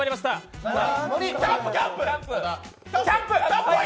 キャンプ！